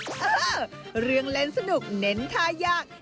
เออเรื่องเล่นสนุกเน้นทายาก